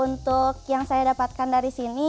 untuk yang saya dapatkan dari sini